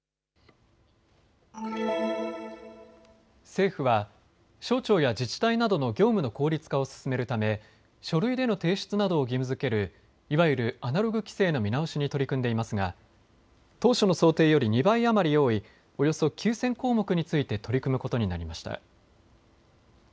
政府は省庁や自治体などの業務の効率化を進めるため書類での提出などを義務づけるいわゆるアナログ規制の見直しに取り組んでいますが当初の想定より２倍余り多いおよそ９０００項目について取り組むことになりました。